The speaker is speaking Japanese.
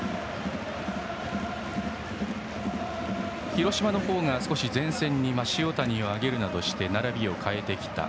広島のほうが前線に塩谷を上げるなどして並びを変えてきた。